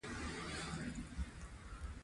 علم د تفاهم فرهنګ رامنځته کوي.